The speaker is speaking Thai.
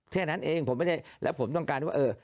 เท่านั้นเองผมไม่ได้แล้วผมต้องการว่า